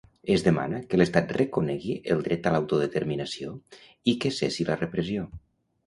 Es demana que l'Estat reconegui el dret a l'autodeterminació i que cessi la repressió.